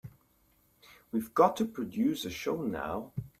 We've got to produce a show now.